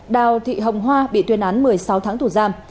đào thị hồng hoa bị tuyên án một mươi sáu tháng tù giam